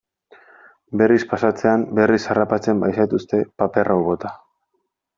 Berriz pasatzean berriz harrapatzen bazaituzte, paper hau bota.